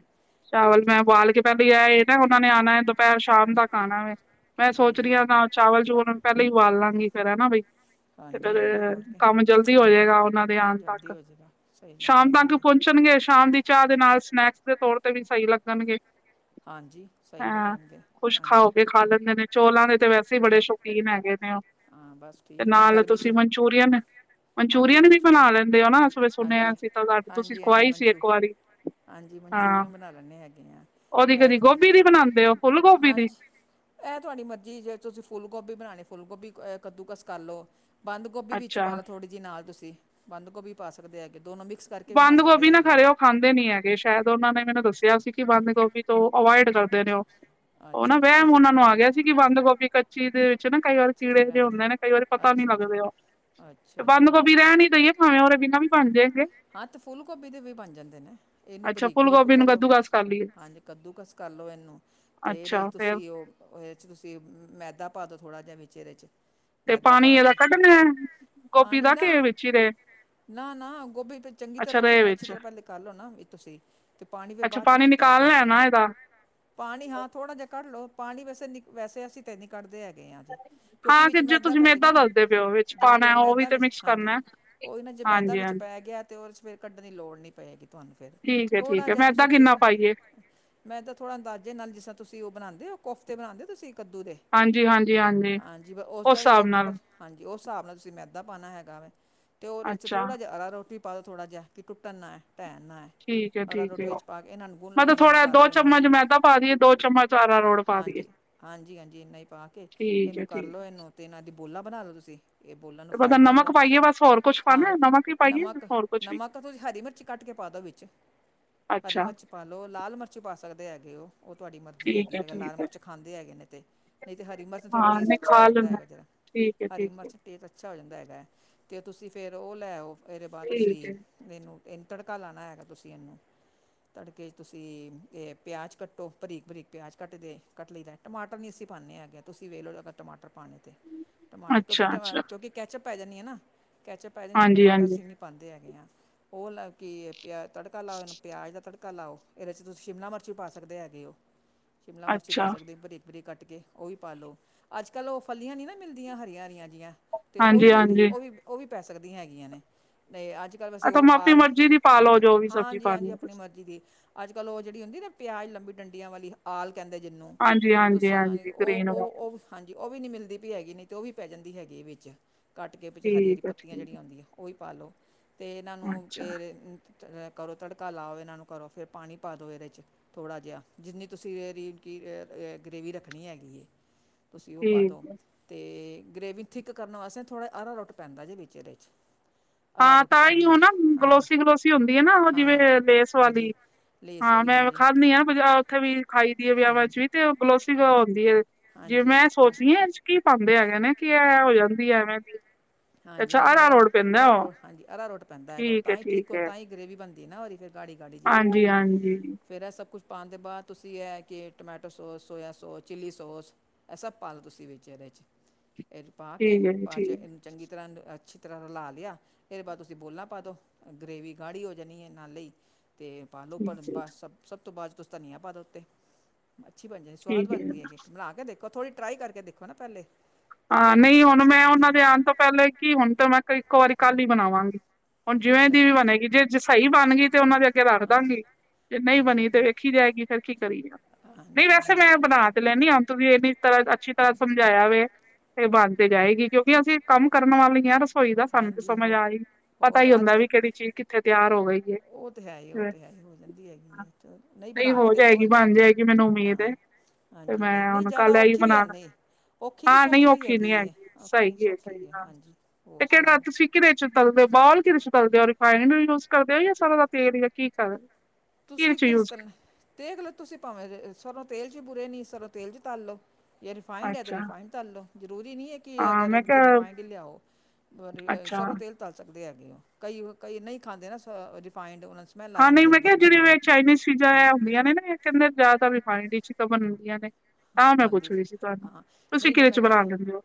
[SPEAKER 2] ਚਾਵਲ
[SPEAKER 1] ਹਾਂਜੀ
[SPEAKER 2] ਮੈਂ
[SPEAKER 1] ਹਾਂਜੀ
[SPEAKER 2] ਉਬਾਲ ਕੇ ਪਹਿਲੇ ਇਹ ਐ ਉਹ ਨਾ ਉਹਨਾਂ ਨੇ ਆਉਣਾ ਦੁਪਹਿਰ ਸ਼ਾਮ ਤੱਕ ਆਣਾ ਏ। ਮੈਂ ਸੋਚ ਰਹੀ
[SPEAKER 1] ਹਾਂਜੀ
[SPEAKER 2] ਹਾਂ।
[SPEAKER 1] ਹਾਂਜੀ
[SPEAKER 2] ਨਾਲ ਚਾਵਲ, ਚੋਵਲ ਪਹਿਲਾਂ ਹੀ ਉਬਾਲ ਲਾਂਗੀ ਫੇਰ ਹਨਾ ਬਈ ਤੇ
[SPEAKER 1] ਹਾਂਜੀ ਹਾਂਜੀ
[SPEAKER 2] ਫਿਰ
[SPEAKER 1] ਹੋਰ ਕੀ
[SPEAKER 2] ਕੰਮ ਜਲਦੀ ਹੋ ਜਾਏਗਾ ਉਹਨਾਂ ਦੇ ਆਉਣ
[SPEAKER 1] ਜਲਦੀ
[SPEAKER 2] ਤੱਕ।
[SPEAKER 1] ਹੋ ਸਹੀ। ਗੱਲ
[SPEAKER 2] ਸ਼ਾਮ
[SPEAKER 1] ਹੈਗੀ
[SPEAKER 2] ਤੱਕ
[SPEAKER 1] ਹੈ
[SPEAKER 2] ਪਹੁੰਚਣਗੇ, ਸ਼ਾਮ ਦੀ ਚਾਹ ਦੇ ਨਾਲ ਸਨੈਕਸ ਦੇ ਤੌਰ ਤੇ ਵੀ ਸਹੀ ਲੱਗਣਗੇ।
[SPEAKER 1] ਹਾਂਜੀ, ਸਹੀ
[SPEAKER 2] ਹਾਂ।
[SPEAKER 1] ਲੱਗਣਗੇ।
[SPEAKER 2] ਖੁਸ਼ ਹੋ ਖਾ
[SPEAKER 1] ਹਾਂਜੀ
[SPEAKER 2] ਕੇ ਖਾ ਲੈਂਦੇ ਨੇ, ਚੌਲਾਂ ਦੇ ਤੇ ਵੈਸੇ ਹੀ ਬੜੇ ਸ਼ੌਕੀਨ ਹੈਗੇ ਨੇ ਉਹ।
[SPEAKER 1] ਹਾਂ, ਬਸ
[SPEAKER 2] ਤੇ
[SPEAKER 1] ਠੀਕ ਹੈ
[SPEAKER 2] ਨਾਲ
[SPEAKER 1] ਗਰਮੀ
[SPEAKER 2] ਤੁਸੀਂ
[SPEAKER 1] 'ਚ
[SPEAKER 2] ਮਨਚੂਰੀਅਨ, ਮਨਚੂਰੀਅਨ ਵੀ ਬਣਾ ਲੈਂਦੇ ਹੋ ਨਾ ਸੁਣਿਆ
[SPEAKER 1] ਹਾਂਜੀ
[SPEAKER 2] ਸੀ, ਤਾਂ ਲਾ ਤੁਸੀਂ
[SPEAKER 1] ਹਾਂਜੀ ਹਾਂਜੀ
[SPEAKER 2] ਖਵਾਈ ਸੀ
[SPEAKER 1] ਮਨਚੂ
[SPEAKER 2] ਇੱਕ ਵਾਰੀ
[SPEAKER 1] ਹਾਂਜੀ,
[SPEAKER 2] ਹਾਂ
[SPEAKER 1] ਮਨਚੂਰੀਅਨ ਬਣਾ ਲੈਂਨੇ ਹੈਗੇ ਆ।
[SPEAKER 2] ਉਹਦੀ
[SPEAKER 1] ਇਹ
[SPEAKER 2] ਕਦੀ
[SPEAKER 1] ਤੁਸੀਂ
[SPEAKER 2] ਗੋਭੀ ਦੀ ਬਣਾਉਂਦੇ ਉ ਫੁੱਲ ਗੋਭੀ ਦੀ।
[SPEAKER 1] ਹਾਂਜੀ ਇਹ ਤੁਹਾਡੀ ਮਰਜ਼ੀ ਜੇ ਤੁਸੀਂ ਫੁੱਲ ਗੋਭੀ ਬਣਾਣੀ ਫੁੱਲ ਗੋਭੀ ਕੱਦੂ ਕਸ ਕਰਲੋ। ਬੰਦ ਗੋਭੀ ਵਿੱਚ
[SPEAKER 2] ਅੱਛਾ
[SPEAKER 1] ਪਾ ਲਓ ਥੋੜ੍ਹੀ ਜਿਹੀ ਨਾਲ ਤੁਸੀਂ, ਬੰਦ ਗੋਭੀ ਪਾ ਸਕਦੇ ਹੈਗੇ ਦੋਨੋਂ ਮਿਕਸ ਕਰਕੇ ਬਣਾ
[SPEAKER 2] ਬੰਦ
[SPEAKER 1] ਸਕਦੇ
[SPEAKER 2] ਗੋਭੀ ਨਾ
[SPEAKER 1] ਹੈਗੇ ਆ।
[SPEAKER 2] ਖਰੇ ਉਹ ਖਾਂਦੇ ਨੀ ਹੈਗੇ ਸ਼ਾਇਦ ਉਹਨਾਂ ਨੇ ਮੈਨੂੰ ਦੱਸਿਆ ਸੀ, ਕੀ ਬੰਦ ਗੋਭੀ ਤੋਂ ਅਵਾਰਿਡ ਕਰਦੇ ਨੇ ਉਹ,
[SPEAKER 1] ਆ
[SPEAKER 2] ਉਹ ਨਾ
[SPEAKER 1] ਅੱਛਾ ਜੀ
[SPEAKER 2] ਵਹਿਮ
[SPEAKER 1] ਤੁਸੀਂ
[SPEAKER 2] ਉਹਨਾਂ ਨੂੰ ਆ ਗਿਆ
[SPEAKER 1] ਹਾਂਜੀ
[SPEAKER 2] ਸੀ ਕਿ ਬੰਦ ਗੋਭੀ ਕੱ ਕੱਚੀ ਦੇ ਵਿੱਚ ਨਾ ਕਈ ਵਾਰੀ
[SPEAKER 1] ਕੀ
[SPEAKER 2] ਕੀੜੇ ਜੇ
[SPEAKER 1] ਬਣਾਉਂਦੇ
[SPEAKER 2] ਹੁੰਦੇ ਨੇ ਕਈ ਵਾਰੀ ਪਤਾ ਨੀ
[SPEAKER 1] ਅੱਛਾ ਜੀ
[SPEAKER 2] ਲੱਗਦੇ ਉਹ
[SPEAKER 1] ਅੱਛਾ ਜੀ
[SPEAKER 2] ਬੰਦ ਗੋਭੀ ਰਹਿ ਨੀ ਦਹੀਏ ਭਾਵੇਂ ਉਹਦੇ ਬਿਨਾਂ ਬਣਜੇ ਗੇ।
[SPEAKER 1] ਹਾਂ ਤੇ ਫੁੱਲ ਗੋਭੀ ਦੇ ਵੀ ਬਣ ਜਾਂਦੇ ਨੇ। ਇਹਨੂੰ
[SPEAKER 2] ਅੱਛਾ ਫੁੱਲ
[SPEAKER 1] ਬਰੀਕ-ਬਰੀਕ
[SPEAKER 2] ਗੋਭੀ ਨੂੰ
[SPEAKER 1] ਕੁਤਰ ਲਉ।
[SPEAKER 2] ਕੱਦੂ ਕਸ ਕਰ ਲਈਏ
[SPEAKER 1] ਹਾਂਜੀ, ਕੱਦੂ ਕਾਸ ਕਰ ਲਓ ਇਹਨੂੰ ਅਤੇ ਇਹਦੇ
[SPEAKER 2] ਅੱਛਾ ਫੇਰ
[SPEAKER 1] ਤੁਸੀਂ ਉਹ ਉਹਦੇ 'ਚ ਤੁਸੀਂ ਮੈਦਾ ਪਾ ਦਿਉ ਥੋੜ੍ਹਾ ਜਿਹਾ ਵਿੱਚ ਇਹਦੇ 'ਚ।
[SPEAKER 2] ਤੇ
[SPEAKER 1] ਮੈਦਾ
[SPEAKER 2] ਪਾਣੀ
[SPEAKER 1] ਪਾ
[SPEAKER 2] ਇਹਦਾ
[SPEAKER 1] ਕੇ
[SPEAKER 2] ਕੱਢਣਾ, ਗੋਭੀ ਦਾ ਕੇ ਵਿੱਚ ਹੀ ਰਏ
[SPEAKER 1] ਨਾ-ਨਾ ਗੋਭੀ ਚੰਗੀ ਤਰ੍ਹਾਂ
[SPEAKER 2] ਰਹੇ
[SPEAKER 1] ਅੱਛੀ
[SPEAKER 2] ਵਿੱਚ
[SPEAKER 1] ਤਰ੍ਹਾਂ ਪਹਿਲੇ ਕਰ ਲੋ ਨਾ ਤੁਸੀਂ ਪਾਣੀ ਫਿਰ
[SPEAKER 2] ਅੱਛਾ
[SPEAKER 1] ਬਾਅਦ ਚੋ
[SPEAKER 2] ਪਾਣੀ
[SPEAKER 1] ਕੀ ਪਾਓਗੇ
[SPEAKER 2] ਨਿਕਾਲਣਾ ਹੈ
[SPEAKER 1] ਤੁਸੀਂ?
[SPEAKER 2] ਨਾ ਇਹਦਾ
[SPEAKER 1] ਪਾਣੀ ਹਾਂ ਥੋੜ੍ਹਾ ਜਿਹਾ ਕੱਢ ਲਉ, ਪਾਣੀ ਵੈਸੇ ਨ ਵੈਸੇ ਅਸੀਂ ਤੇ ਨਹੀਂ ਕੱਢਦੇ ਹੈਗੇ ਆ ਹਜੇ‌। ਕਿਉਂਕਿ
[SPEAKER 2] ਹਾਂ
[SPEAKER 1] ਵਿੱਚ
[SPEAKER 2] ਕਿ ਜੇ
[SPEAKER 1] ਮੈਦਾ
[SPEAKER 2] ਤੁਸੀਂ
[SPEAKER 1] ਪੈ ਜਾਏਗਾ ਨਾ,
[SPEAKER 2] ਦੱਸਦੇ ਪਏ ਹੋ ਵਿੱਚ
[SPEAKER 1] ਜਾਂ ਜੋ
[SPEAKER 2] ਪਾਉਣਾ ਉਹ ਵੀ
[SPEAKER 1] ਮੈਦਾ
[SPEAKER 2] ਤੇ
[SPEAKER 1] ਵਿੱਚ
[SPEAKER 2] ਮਿਕਸ
[SPEAKER 1] ਹਾਂਜੀ,
[SPEAKER 2] ਕਰਨਾ
[SPEAKER 1] ਉਹ ਨਾ ਜੇ ਮੈਦਾ
[SPEAKER 2] ਹਾਂਜੀ
[SPEAKER 1] ਵਿੱਚ
[SPEAKER 2] ਹਾਂਜੀ
[SPEAKER 1] ਪੈ ਗਿਆ ਤੇ ਉਹ ਦੇ 'ਚ ਫੇਰ ਕੱਢਣ ਦੀ ਲੋੜ ਨੀ ਪਏਗੀ ਤੁਹਾਨੂੰ ਫੇਰ
[SPEAKER 2] ਠੀਕ ਹੈ
[SPEAKER 1] ਥੋੜ੍ਹਾ
[SPEAKER 2] ਠੀਕ ਹੈ
[SPEAKER 1] ਜਿਹਾ
[SPEAKER 2] ਮੈਦਾ
[SPEAKER 1] ਤੁਸੀਂ
[SPEAKER 2] ਕਿੰਨਾ
[SPEAKER 1] ਥਿੱਕ
[SPEAKER 2] ਪਾਈਏ
[SPEAKER 1] ਮੇਦਾ ਤਾਂ ਥੋੜ੍ਹਾ ਅੰਦਾਜ਼ੇ ਨਾਲ, ਜਿਸ ਤ੍ਹਾਂ ਤੁਸੀਂ ਉਹ ਬਣਾਉਂਦੇ ਉਹ ਕੋਫਤੇ ਬਣਾਉਂਦੇ ਤੁਸੀਂ ਕੱਦੂ ਦੇ।
[SPEAKER 2] ਹਾਂਜੀ, ਹਾਂਜੀ-ਹਾਂਜੀ।
[SPEAKER 1] ਹਾਂਜੀ, ਬਸ ਉਸਦਾ ਹੀ ਓ ਥੋੜ੍ਹਾ ਹਾਂਜੀ, ਉਸ ਹਿਸਾਬ ਨਾਲ ਤੁਸੀਂ ਮੈਦਾ ਪਾਣਾ ਹੈਗਾ ਵੇ ਤੇ ਉਹਦੇ 'ਚ
[SPEAKER 2] ਅੱਛਾ
[SPEAKER 1] ਥੋੜ੍ਹਾ ਜਿਹਾ ਅਰਾਰੋਟ ਵੀ ਪਾਦੋਂ ਥੋੜ੍ਹਾ ਜਿਹਾ ਕਿ ਟੁੱਟਣਾ ਨਾ ਇਹ ਢਹਿਣ ਨਾ
[SPEAKER 2] ਠੀਕ ਹੈ
[SPEAKER 1] ਇਹ
[SPEAKER 2] ਠੀਕ
[SPEAKER 1] ਅਰਾਰੋਟ
[SPEAKER 2] ਹੈ
[SPEAKER 1] ਵਿੱਚ ਪਾ ਕੇ ਇਹਨਾਂ ਨੂੰ ਗੁਨ ਲੋ,
[SPEAKER 2] ਮਤਲਬ
[SPEAKER 1] ਇਹਨਾਂ ਨੂੰ
[SPEAKER 2] ਥੋੜਾ ਦੋ
[SPEAKER 1] ਕਰਲੋ ਇਹਨਾਂ ਨੂੰ,
[SPEAKER 2] ਚਮਚ ਮੈਦਾ ਪਾ ਦੀਏ ਦੋ ਚਮਚ ਆਰਾ ਰੋੜ ਪਾ ਦੀਏ
[SPEAKER 1] ਹਾਂਜੀ ਹਾਂਜੀ-ਹਾਂਜੀ ਇੰਨਾਂ ਈ ਪਾ ਕੇ
[SPEAKER 2] ਠੀਕ
[SPEAKER 1] ਇਹਨੂੰ
[SPEAKER 2] ਹੈ ਠੀਕ
[SPEAKER 1] ਕਰਲੋ ਇਹਨੂੰ ਤੇ ਇਹਨਾਂ ਦੀ ਬੋਲਾ ਬਣਾ ਲੋ ਤੁਸੀਂ ਇਹ ਬੋਲਾਂ ਨੂੰ
[SPEAKER 2] ਤੇ ਪਤਾ
[SPEAKER 1] ਫਰਾਈ ਕਰ ਲਓ
[SPEAKER 2] ਨਮਕ
[SPEAKER 1] ਤੁਸੀਂ।
[SPEAKER 2] ਪਾਈਏ ਬਸ ਹੋਰ ਕੁਛ ਪਾਣਾ
[SPEAKER 1] ਹਾਂ
[SPEAKER 2] ਨਮਕ ਹੀ ਪਾਈਏ
[SPEAKER 1] ਨਮਕ,
[SPEAKER 2] ਹੋਰ ਕੁਛ ਵੀ
[SPEAKER 1] ਨਮਕ ਤੁਸੀਂ ਹਰੀ ਮਿਰਚ ਕੱਟ ਕੇ ਪਾ ਦਿਉ ਵਿੱਚ ਵਿੱਚ।
[SPEAKER 2] ਅੱਛਾ।
[SPEAKER 1] ਪਾ ਲਉ, ਲਾਲ ਮਿਰਚ ਪਾ ਸਕਦੇ ਹੈਗੇ ਔ ਉਹ ਤੁਹਾਡੀ ਮਰਜ਼ੀ
[SPEAKER 2] ਠੀਕ
[SPEAKER 1] ਹੈਗੀ
[SPEAKER 2] ਹੈ
[SPEAKER 1] ਆ, ਲਾਲ
[SPEAKER 2] ਠੀਕ ਹੈ
[SPEAKER 1] ਮਿਰਚ ਖਾਂਦੇ ਹੈਗੇ ਨੇ ਤੇ ਨਹੀਂ ਤਾਂ ਹਰੀ ਮਿਰਚ ਤੁਹਾਡੀ
[SPEAKER 2] ਹਾਂ
[SPEAKER 1] ਟੇਸਟ
[SPEAKER 2] ਨਹੀਂ
[SPEAKER 1] ਅੱਛਾ ਹੋ
[SPEAKER 2] ਖਾ
[SPEAKER 1] ਜਾਂਦਾ
[SPEAKER 2] ਲੈਂਦਾ
[SPEAKER 1] ਹੈਗਾ ਜਰਾ
[SPEAKER 2] ਠੀਕ ਹੈ
[SPEAKER 1] ਹਰੀ
[SPEAKER 2] ਠੀਕ ਹੈ
[SPEAKER 1] ਮਿਰਚ ਟੇਸਟ ਅੱਛਾ ਹੋ ਜਾਂਦਾ ਹੈਗਾ, ਤੇ ਤੁਸੀਂ ਫਿਰ ਉਹ ਲੈ ਆਉ ਇਹਦੇ ਬਾਅਦ ਤੁਸੀਂ
[SPEAKER 2] ਠੀਕ ਹੈ
[SPEAKER 1] ਇਹਨੂੰ ਤੜਕਾ ਲਾਉਣਾ ਹੈਗਾ ਤੁਸੀਂ ਇਹਨੂੰ ਤੜਕੇ 'ਚ ਤੁਸੀਂ ਇਹ ਪਿਆਜ਼ ਕੱਟੋ, ਬਰੀਕ-ਬਰੀਕ ਪਿਆਜ਼ ਕੱਟਦੇ ਕੱਟ ਲਈ ਦਾ ਟਮਾਟਰ ਨੀ ਅਸੀਂ ਪਾਨੇ ਹੈਗੇ ਆ ਤੁਸੀਂ ਵੇਲਲੋ ਟਮਾਟਰ ਪਾਣੇ ਤੇ ਟਮਾ ਕਿਉ
[SPEAKER 2] ਅੱਛਾ ਅੱਛਾ
[SPEAKER 1] ਕਿਉਂਕਿ ਕੈਚਅਪ ਪੈ ਜਾਣੀ ਆ ਨਾ ਕੈਚਅਪ ਪੈ ਜਾਣੀ ਆ ਫਿਰ
[SPEAKER 2] ਹਾਂਜੀ
[SPEAKER 1] ਟਮਾਟਰ
[SPEAKER 2] ਹਾਂਜੀ
[SPEAKER 1] ਅਸੀਂ ਨੀ ਪਾਂਦੇ ਹੈਗੇ ਹਾਂ ਉਹ ਲ ਕਿ ਪਿਆ ਤੜਕਾ ਲਾਓ। ਇਹਨੂੰ ਪਿਆਜ਼ ਦਾ ਤੜਕਾ ਲਾਓ। ਇਹਦੇ 'ਚ ਤੁਸੀਂ ਸ਼ਿਮਲਾ ਮਿਰਚ ਵੀ ਪਾ ਸਕਦੇ ਹੈਗੇ ਹੋ। ਸ਼ਿਮਲਾ ਮਰਚ ਵੀ ਪੈ
[SPEAKER 2] ਅੱਛਾ
[SPEAKER 1] ਸਕਦੀ। ਬਰੀਕ-ਬਰੀਕ ਕੱਟ ਕੇ ਉਹ ਵੀ ਪਾ ਲਉ। ਅੱਜ-ਕੱਲ੍ਹ ਉਹ ਫਲੀਆਂ ਨਹੀਂ ਨਾ ਮਿਲਦੀਆਂ ਹਰੀਆਂ-ਹਰੀਆਂ ਜਹੀਆਂ ਤੇ ਉਹ
[SPEAKER 2] ਹਾਂਜੀ
[SPEAKER 1] ਵੀ ਇਨੇ
[SPEAKER 2] ਹਾਂਜੀ
[SPEAKER 1] ਉਹ ਵੀ ਉਹ ਵੀ ਪੈ ਸਕਦੀਆਂ ਹੈਗੀਆਂ ਨੇ ਤੇ ਅੱਜ ਗੱਲ ਵੈਸੇ।
[SPEAKER 2] ਤੁਮ
[SPEAKER 1] ਉਹ
[SPEAKER 2] ਆਪਣੀ
[SPEAKER 1] ਆਲ ਵੀ
[SPEAKER 2] ਮਰਜ਼ੀ ਦੀ ਪਾ ਲਓ
[SPEAKER 1] ਹਾਂਜੀ-
[SPEAKER 2] ਜੋ ਵੀ ਸਬਜ਼ੀ
[SPEAKER 1] ਹਾਂਜੀ, ਹਾਂਜੀ
[SPEAKER 2] ਪਾਣੀ ਹੈ
[SPEAKER 1] ਆਪਣੀ
[SPEAKER 2] ਤੁਸੀਂ
[SPEAKER 1] ਮਰਜ਼ੀ ਦੀ। ਅੱਜ-ਕੱਲ੍ਹ ਉਹ ਜਿਹੜੀ ਹੁੰਦੀ ਪਿਆਜ ਲੰਬੀ ਡੰਡੀਆਂ ਵਾਲੀ। ਆਲ ਕਹਿੰਦੇ ਜਿਹਨੂੰ।
[SPEAKER 2] ਹਾਂਜੀ
[SPEAKER 1] ਤੁਸੀਂ ਹਾਂਜੀ ਉਹ
[SPEAKER 2] ਗ੍ਰੀਨ
[SPEAKER 1] -ਉਹ,
[SPEAKER 2] ਵਾਲੀ
[SPEAKER 1] ਉਹ ਹਾਂਜੀ, ਉਹ ਵੀ ਨਹੀਂ ਮਿਲਦੀ ਪਈ ਹੈਗੀ ਨਹੀਂ ਅਤੇ ਉਹ ਵੀ ਪੈ ਜਾਂਦੀ ਹੈਗੀ ਵਿੱਚ ਕੱਟ ਕੇ ਵਿੱਚ ਹਰੀ-ਹਰੀ
[SPEAKER 2] ਠੀਕ ਹੈ
[SPEAKER 1] ਪੱਤੀਆਂ
[SPEAKER 2] ਠੀਕ
[SPEAKER 1] ਜਿਹੜੀਆਂ ਆਉਂਦੀਆਂ। ਉਹੀ ਪਾ ਲਉ ਤੇ ਇਹਨਾਂ ਨੂੰ
[SPEAKER 2] ਅੱਛਾ
[SPEAKER 1] ਕਰੋ ਤੜਕਾ ਲਾਓ। ਇਹਨਾਂ ਨੂੰ ਕਰੋ ਫਿਰ ਪਾਣੀ ਪਾ ਦਿਉ ਇਹਦੇ 'ਚ। ਥੋੜ੍ਹਾ ਜਿਹਾ ਜਿੰਨੀ ਤੁਸੀਂ ਗਰੇੇਵੀ ਰੱਖਣੀ ਹੈਗੀ ਏ। ਤੁਸੀਂ ਉਹ ਪਾ
[SPEAKER 2] ਠੀਕ
[SPEAKER 1] ਦਿਉ
[SPEAKER 2] ਹੈ
[SPEAKER 1] ਅਤੇ ਗ੍ਰੇਵੀ ਥਿੱਕ ਕਰਨ ਵਾਸਤੇ ਥੋੜ੍ਹਾ ਆਰਾਰੋਟ ਪੈਂਦਾ ਜੇ ਵਿਚ ਇਹਦੇ 'ਚ।
[SPEAKER 2] ਹਾਂ
[SPEAKER 1] ਅਰਾਰੋਟ
[SPEAKER 2] ਤਾਂ
[SPEAKER 1] ਪਾ
[SPEAKER 2] ਹੀ
[SPEAKER 1] ਦੇਣਾ
[SPEAKER 2] ਉਹ ਨਾ
[SPEAKER 1] ਹਾਂਜੀ
[SPEAKER 2] ਗਲੋਸੀ-ਗਲੋਸੀ ਹੁੰਦੀ ਏ ਨਾ ਉਹ ਜਿਵੇਂ
[SPEAKER 1] ਹਾਂ
[SPEAKER 2] ਲੇਸ ਵਾਲੀ।
[SPEAKER 1] ਹਾਂਜੀ ਲੇਸ
[SPEAKER 2] ਹਾਂ,
[SPEAKER 1] ਵਾਲੀ
[SPEAKER 2] ਮੈਂ
[SPEAKER 1] ਹਾਂਜੀ
[SPEAKER 2] ਖਾਂਦੀ ਹਾਂ ਉੱਥੇ ਵੀ ਖਾਈ ਦੀ ਆ ਵਿਆਹਾਂ ਚ ਵੀ ਤੇ [UNINTELLIGIBLE] ਆਦੀ ਏ।
[SPEAKER 1] ਹਾਂਜੀ। ਉਹ
[SPEAKER 2] ਸੋਚਣੀ ਆ ਇਹ ਚ ਕੀ ਪਾਦੇ ਹੈਗੇ ਨੇ ਕੀ ਐ ਹੋ ਜਾਂਦੀ ਐ ਐਵੇਂ ਦੀ?
[SPEAKER 1] ਹਾਂਜੀ
[SPEAKER 2] ਅੱਛਾ,
[SPEAKER 1] ਨਹੀਂ
[SPEAKER 2] ਅਰਾ‌
[SPEAKER 1] ਅਰਾ
[SPEAKER 2] ਰੋਟ ਪੈਂਦਾ
[SPEAKER 1] ਅਰਾ
[SPEAKER 2] ਉਹ।
[SPEAKER 1] ਰੋਡ ਹਾਂਜੀ, ਅਰਾ ਰੋਟ ਪੈਂਦਾ ਹੈਗਾ। ਉਹ
[SPEAKER 2] ਠੀਕ ਹੈ
[SPEAKER 1] ਤਾਂ ਥਿਕ
[SPEAKER 2] ਠੀਕ
[SPEAKER 1] ਤਾਂ ਹੀ ਗਰੇਵੀ ਬਣਦੀ ਏ ਨਾ ਫਰ ਗਾੜੀ- ਗਾੜੀ ਜੀ।
[SPEAKER 2] ਹਾਂਜੀ-ਹਾਂਜੀ।
[SPEAKER 1] ਇਹ ਸਭ ਕੁਛ ਪਾਉਣ ਦੇ ਬਾਅਦ ਤੁਸੀਂ ਇਹ ਹੈ ਕਿ tomato sauce, sauce, chilli sauce. ਇਹ ਸਭ ਪਾ ਲ ਤੁਸੀਂ ਵਿੱਚ ਇਹਦੇ 'ਚ' ਇਹ ' ਪਾ ਕੇ
[SPEAKER 2] ਠੀਕ ਹੈ ਜੀ
[SPEAKER 1] ਬਾਅਦ
[SPEAKER 2] ਠੀਕ
[SPEAKER 1] 'ਚ' ਚੰਗੀ ਤਰ੍ਹਾਂ, ਅੱਛੀ ਤਰ੍ਹਾਂ ਰਲਾ ਲਿਆ। ਇਹਦੇ ਬਾਅਦ ਤੁਸੀਂ ਬੋਲਣਾ ਪਾ ਦਿਉ, ਗਰੇਵੀ ਗਾੜੀ ਹੋ ਜਾਣੀ ਏ ਨਾਲੇ, ਤੇ ਪਾ ਲਓ। ਪੜ
[SPEAKER 2] ਠੀਕ ਹੈ
[SPEAKER 1] ਬਾ ਸਭ ਸਭ ਤੋਂ ਬਾਅਦ 'ਚ' ਤੁਸੀ ਧਨੀਆ ਆ ਪਾਦੋ ਉੱਤੇ। ਅੱਛੀ ਬਣ ਜਾਂਦੀ, ਸੁਆਦ
[SPEAKER 2] ਠੀਕ ਹੈ
[SPEAKER 1] ਬਣਦੀ ਏ ਕਿ ਬਣਾ ਕੇ ਦੇਖੋ ਥੋੜ੍ਹੀ ਟਰਾਈ ਕਰਕੇ ਨਾ ਪਹਿਲੇ।
[SPEAKER 2] ਹਾਂ ਨਹੀਂ। ਹੁਣ
[SPEAKER 1] ਅੱਛੀ
[SPEAKER 2] ਮੈਂ
[SPEAKER 1] ਬਣਦੀ
[SPEAKER 2] ਉਹਨਾਂ
[SPEAKER 1] ਹੈ
[SPEAKER 2] ਦੇ ਆਉਣ ਤੋਂ ਪਹਿਲੇ ਕੀ ਹੁਣ ਤੇ ਮੈਂ ਇੱਕੋ ਵਾਰੀ ਕੱਲ ਹੀ ਬਣਾਵਾਂਗੀ। ਹੁਣ ਜਿਵੇਂ
[SPEAKER 1] ਅੱਛਾ
[SPEAKER 2] ਦੀ
[SPEAKER 1] ਜੀ
[SPEAKER 2] ਵੀ ਬਣੇਗੀ ਜੇ ਸਹੀ ਬਣ ਗਈ ਤੇ ਉਹਨਾਂ ਦੇ ਅੱਗੇ ਰੱਖ
[SPEAKER 1] ਹਾਂਜੀ
[SPEAKER 2] ਦਾਂਗੀ। ਜੇ ਨਹੀਂ
[SPEAKER 1] ਹਾਂਜੀ
[SPEAKER 2] ਬਣੀ ਤੇ
[SPEAKER 1] ਹਾਂਜੀ
[SPEAKER 2] ਵੇਖੀ ਜਾਏਗੀ ਫਿਰ ਕੀ ਕਰੀਏ। ਨਹੀ
[SPEAKER 1] ਹਾਂਜੀ
[SPEAKER 2] ਵੈਸੇ
[SPEAKER 1] ਹਾਂਜੀ
[SPEAKER 2] ਮੈਂ ਬਣਾ ਤੇ ਲੈਣੀ। ਹੁਣ ਤੁਸੀਂ ਇੰਨੀ ਤਰ੍ਹਾਂ ਅੱਛੀ ਤਰ੍ਹਾਂ ਸਮਝਾਇਆ ਵੇ। ਤੇ ਬਣ ਤੇ ਜਾਏਗੀ, ਕਿਉਂਕਿ ਅਸੀਂ ਕੰਮ ਕਰਨ ਵਾਲੀ ਆ, ਰਸੋਈ ਦਾ ਸਾਨੂੰ ਤੇ
[SPEAKER 1] ਹਾਂਜੀ
[SPEAKER 2] ਸਮਝ
[SPEAKER 1] ਹੋ
[SPEAKER 2] ਆਏਗੀ। ਪਤਾ
[SPEAKER 1] ਹੋਰ
[SPEAKER 2] ਹੀ
[SPEAKER 1] ਅੱਜ
[SPEAKER 2] ਹੁੰਦਾ
[SPEAKER 1] ਕ
[SPEAKER 2] ਵੀ ਕਿਹੜੀ ਚੀਜ਼ ਕਿੱਥੇ ਤਿਆਰ ਹੋ ਗਈ ਏ।
[SPEAKER 1] ਉਹ ਤਾਂ ਹੈ ਹੀ ਉਹ ਤਾਂ ਹੈ ਹੀ ਹੋ ਜਾਂਦੀ ਹੈਗੀ ਹੈ ਚਲੋ
[SPEAKER 2] ਨਹੀਂ
[SPEAKER 1] ਬਣਾ ਕੇ
[SPEAKER 2] ਹੋ
[SPEAKER 1] ਦੇਖੋ
[SPEAKER 2] ਜਾਏਗੀ,
[SPEAKER 1] ਅੱਛੀ
[SPEAKER 2] ਬਣ ਜਾਏਗੀ ਮੈਨੂੰ ਉਮੀਦ
[SPEAKER 1] ਹਾਂ
[SPEAKER 2] ਏ। ਤੇ
[SPEAKER 1] ਹਾਂਜੀ ਨਹੀਂ
[SPEAKER 2] ਮੈਂ
[SPEAKER 1] ਨਹੀਂ
[SPEAKER 2] ਉਹਨੂੰ ਕੱਲ
[SPEAKER 1] ਜ਼ਿਆਦਾ
[SPEAKER 2] ਏਈ
[SPEAKER 1] ਔਖੀ ਵੀ ਹੈ
[SPEAKER 2] ਬਣਾਣਾ।
[SPEAKER 1] ਨਹੀਂ ਔਖੀ ਨੀ
[SPEAKER 2] ਹਾਂ
[SPEAKER 1] ਸੌ-
[SPEAKER 2] ਨਹੀਂ ਔਖੀ ਨੀ ਹੈਗੀ, ਸਹੀ ' [UNINTELLIGIBLE] ' ਨਾਲ
[SPEAKER 1] ਹਾਂਜੀ ਹੋਰ
[SPEAKER 2] ਤੇ ਕਿਹੜਾ
[SPEAKER 1] ਸੁਣਾਓ
[SPEAKER 2] ਤੁਸੀਂ? ਘਰੇ 'ਚ' ਤਲਦੇ ਬੋਲ ਘਰੇ ਚ ਤਲਦੇ ਹੋ ਰਿਫਾਈਨ ਮਿਲ ਯੂਜ ਕਰਦੇ ਜਾਂ ਸਾਰੋ ਦਾ ਤੇਲ ਏ? ਕੀ ਚੱਲ, ਕਿਦੇ
[SPEAKER 1] ਤੁਸੀਂ
[SPEAKER 2] 'ਚ' ਯੂ?
[SPEAKER 1] ਕਿਸ
[SPEAKER 2] ਜ
[SPEAKER 1] ਤਲ ਦੇਖ ਤੁਸੀਂ ਭਾਵੇਂ ਸਰੋਂ 'ਚ' ਬੁਰੇ ਨੀ ਸਰੋਂ ਤੇਲ 'ਚ' ਤਲ ਲੋ। ਜੇ ਰਿਫਾਈੰਡ ਏ ਤਾਂ
[SPEAKER 2] ਅੱਛਾ
[SPEAKER 1] ਰਿਫਾਈੰਡ ਤੱਲ ਲੋ, ਜ਼ਰੂਰੀ ਨਹੀਂ ਕਿ
[SPEAKER 2] ਹਾਂ
[SPEAKER 1] ਅਗਰ
[SPEAKER 2] ਮੈਂ
[SPEAKER 1] ਕਿ
[SPEAKER 2] ਕਿਹਾ
[SPEAKER 1] ਰਿਫਾਈੰਡ ਹੀ ਲਿਆਓ। ਬ
[SPEAKER 2] ਅੱਛਾ
[SPEAKER 1] ਸਰੋਂ ਤੇਲ ਤਲ ਸਕਦੇ ਹੈਗੇ ਉਹ। ਕਈ ਕਈ ਨਹੀਂ ਖਾਂਦੇ ਨਾ ਰਿਫਾਈੰਡ ਉਹ।
[SPEAKER 2] ਹਾਂ ਨਹੀਂ, ਮੈਂ ਕਿਹਾ ਜਿਹੜੀਆਂ ਚਾਈਨੀਜ਼ ਚੀਜ਼ਾਂ ਇਹ ਹੁੰਦੀਆਂ ਨੇ ਨਾ ਇਹ ਕਿੰਨੇ ਜ਼ਿਆਦਾ ਵੀ ਪਾਣੀ ਡੀਚਿਕ ਬਣ ਹੁੰਦੀਆਂ ਨੇ। ਤਾਂ ਮੈਂ
[SPEAKER 1] ਬਣਦੀ
[SPEAKER 2] ਪੁੱਛਣੀ ਸੀ ਤੁਹਾਨੂੰ।
[SPEAKER 1] ਹਾਂ
[SPEAKER 2] ਤੁਸੀਂ
[SPEAKER 1] ਨਹੀਂ ਨਹੀਂ
[SPEAKER 2] ਕੀਦੇ 'ਚ'
[SPEAKER 1] ਮੈਂ ਕਹਿ
[SPEAKER 2] ਬਣਾ ਲੈਂਦੇ ਹੋ?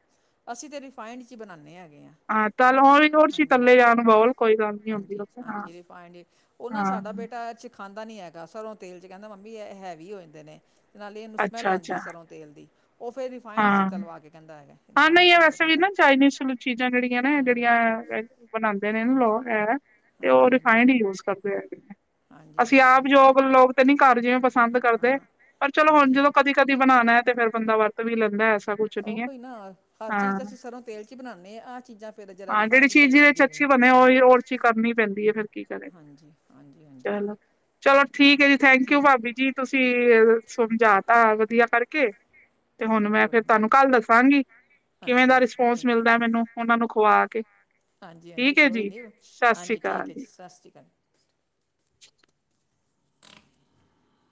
[SPEAKER 1] ਅਸੀਂ ਤਾਂ ਰਿਫਾਇੰਡ 'ਚ ਹੀ ਬਣਾਉਂਦੇ ਹੈਗੇ
[SPEAKER 2] ਹਾਂ, ਚੱਲ ਵੀ ੜ 'ਚ'
[SPEAKER 1] ਹਾਂਜੀ
[SPEAKER 2] ਥੱਲੇ ਜਾਣ ਬੋਲ ਕੋਈ ਗੱਲ ਨੀ ਹਾਂ।
[SPEAKER 1] ਪਾਣਡ ਉਹ ਨਾ
[SPEAKER 2] ਹਾਂ
[SPEAKER 1] ਸਾਡਾ ਬੇਟਾ ਇਹ 'ਚ' ਖਾਂਦਾ ਨੀ ਹੈਗਾ ਸਰੋਂ ਤੇਲ 'ਚ' ਕਹਿੰਦਾ ਮੰਮੀ ਇਹ ਹੈਵੀ ਹੋ ਜਾਂਦੇ ਨੇ। ਅਤੇ ਨਾਲ ਇਹਨੂੰ ਸਮੈੱਲ ਆਦੀ
[SPEAKER 2] ਅੱਛਾ-ਅੱਛਾ
[SPEAKER 1] ਏ ਸਰੋਂ ਤੇਲ ਦੀ। ਉਹ ਫਿਰ ਰਿਫਾਇੰਡ
[SPEAKER 2] ਹਾਂ।
[SPEAKER 1] ਤਾਲਵਾ ਕੇ ਕਹਿੰਦਾ ਆ।
[SPEAKER 2] ਹਾਂ, ਨਹੀਂ ਵੈਸੇ ਵੀ ਨਾ ਚਾਈਨੀਜ਼ ਚੀਜ਼ਾਂ ਜਿਹੜੀਆਂ ਨੇ ਜਿਹੜੀਆਂ ਬਨਾਂਦੇ ਏ
[SPEAKER 1] ਹਾਂਜੀ
[SPEAKER 2] ਲੌਅ ਐ ਤੇ ਉਅ
[SPEAKER 1] ਹਾਂਜੀ ਹਾਂਜੀ
[SPEAKER 2] ਰਿਫਾਇਡ ਈ ਯੂਸ ਕਰਦੇ ਹੈਗੇ
[SPEAKER 1] ਹਾਂਜੀ
[SPEAKER 2] ਅਸੀ
[SPEAKER 1] ਹਾਂਜੀ
[SPEAKER 2] ਆਪ ਜੋ
[SPEAKER 1] ਰਿਫਾਇੰਡ
[SPEAKER 2] ਅਕ ਲੋਕ ਤੇ ਨੀ ਘਰ ਜਿਵੇਂ ਪਸੰਦ ਕਰਦੇ,
[SPEAKER 1] ਹਾਂ
[SPEAKER 2] ਪਰ ਚਲੋ ਹੁਣ
[SPEAKER 1] ਹਾਂਜੀ
[SPEAKER 2] ਜਦੋ ਕਦੀ ਕਦੀ ਬਣਾਣੈਂ ਤੇ ਫਿਰ ਬੰਦਾ ਵਰਤ ਵੀ ਲੈਂਦੈ ਐਸਾ ਕੁਛ ਨੀਂ ਐ।
[SPEAKER 1] ਨਾਂਅਰ।
[SPEAKER 2] ਹਾਂ,
[SPEAKER 1] ਚੀਜ਼ਾਂ ਫਿਰ ਜਰਾ
[SPEAKER 2] ਹਾਂ ਜਿਹੜੀ
[SPEAKER 1] ਰਿਫਾਇੰਡ
[SPEAKER 2] ਚੀਜ਼
[SPEAKER 1] ਸਹੀ
[SPEAKER 2] 'ਚ'
[SPEAKER 1] ਰਹਿੰਦੀਆਂ
[SPEAKER 2] ਅੱਛੀ
[SPEAKER 1] ਨੇ
[SPEAKER 2] ਬਣੇ ਉਈ ਓਰ ਚੀ ਕਰਨੀ ਪੈਂਦੀ ਐ ਫੇਰ ਕੀ ਕਰੇਂ,
[SPEAKER 1] ਹਾਂਜੀ ਹਾਂਜੀ ਹਾਂਜੀ
[SPEAKER 2] ਚਲੋ। ਚਲੋ
[SPEAKER 1] ਹੋਰ ਬਣਾ
[SPEAKER 2] ਠੀਕੈ ਜੀ, ਥੈਂਕੀਉ
[SPEAKER 1] ਠੀਕ
[SPEAKER 2] ਭਾਬੀ ਜੀ, ਤੁਸੀਂਅ
[SPEAKER 1] ਠੀਕ
[SPEAKER 2] ਅ ਸਮਝਾ ਤਾ ਵਧੀਆ ਕਰਕੇ, ਤੇ
[SPEAKER 1] ਕੋਈ
[SPEAKER 2] ਹੁਣ
[SPEAKER 1] ਨਹੀਂ
[SPEAKER 2] ਮੈਂ
[SPEAKER 1] ਕੋਈ
[SPEAKER 2] ਫਿਰ
[SPEAKER 1] ਨਹੀਂ
[SPEAKER 2] ਧਾਨੂੰ ਕੱਲ ਦਸਾਂਗੀ। ਕਿਵੇਂ
[SPEAKER 1] ਹਾਂਜੀ
[SPEAKER 2] ਦਾ
[SPEAKER 1] ਅੱਛਾ
[SPEAKER 2] ਰਿਸਪੋਂਸ
[SPEAKER 1] ਕੋਈ
[SPEAKER 2] ਮਿਲਦੈ, ਮੈਨੂੰ ਉਨਾਂ ਨੂੰ ਖਵਾ ਕੇ।
[SPEAKER 1] ਹਾਂਜੀ-ਹਾਂਜੀ
[SPEAKER 2] ਠੀਕ ਹੈ
[SPEAKER 1] ਕੋਈ
[SPEAKER 2] ਜੀ।
[SPEAKER 1] ਨੀਂ
[SPEAKER 2] ਸਤਿ ਸ੍ਰੀ
[SPEAKER 1] ਆਂਜੀ ਠੀਕ
[SPEAKER 2] ਅਕਾਲ
[SPEAKER 1] ਐ ਜੀ ਸਾਸਰੀਕਾਲ।